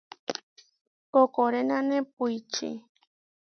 Koʼkorenane puičí.